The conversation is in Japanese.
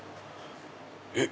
えっ？